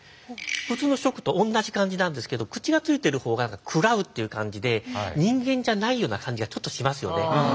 普通の「食」と同じ漢字なんですけど口が付いている方が喰らうという感じで人間じゃないような感じがちょっとしますよね。